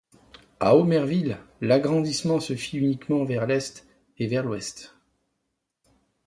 À Omerville, l'agrandissement se fit uniquement vers l'est et vers l'ouest.